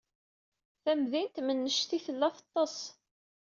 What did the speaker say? Tamdint manec i tella teṭṭes.